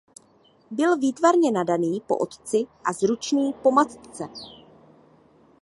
Byl výtvarně nadaný po otci a zručný po matce.